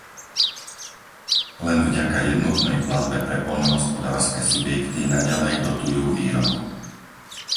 Len vďaka jednotnej platbe pre poľnohospodárske subjekty naďalej dotujú výrobu.